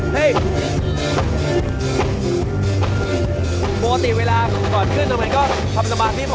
ปกติเวลาก่อนขึ้นมันก็ทำสมความสะมัดนี้ปกติ